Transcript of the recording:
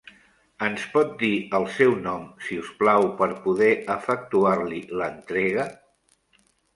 Ens pot dir el seu nom, si us plau, per poder efectuar-li l'entrega?